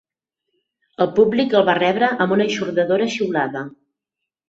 El públic el va rebre amb una eixordadora xiulada.